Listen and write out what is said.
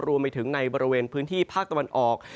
รวมไปถึงในบริเวณพื้นที่ภาคตะวันออก